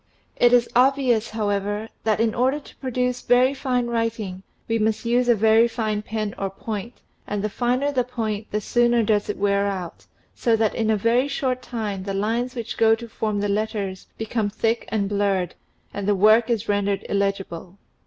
It is obvious, however, that in order to produce very fine writing we must use a very fine pen or point and the finer the point the sooner does it wear out, so that in a very short time the lines which go to form the letters become thick and blurred and the work is rendered illegible.